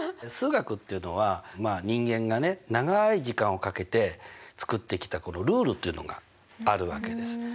数学っていうのは人間がね長い時間をかけて作ってきたこのルールというのがあるわけです。